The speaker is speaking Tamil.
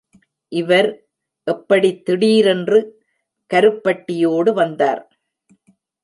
இவர் எப்படித் திடீரென்று கருப்பட்டியோடு வந்தார்...?